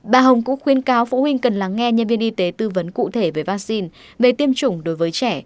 bà hồng cũng khuyên cáo phụ huynh cần lắng nghe nhân viên y tế tư vấn cụ thể về vaccine về tiêm chủng đối với trẻ